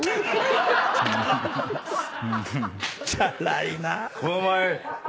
チャラいな。